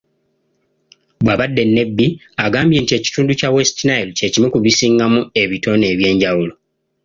Bw'abadde e Nebbi, agambye nti ekitundu kya West Nile ky'ekimu ku bisingamu ebitone eby'enjawulo.